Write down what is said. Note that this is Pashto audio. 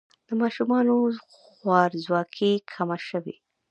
د ماشومانو خوارځواکي کمه شوې؟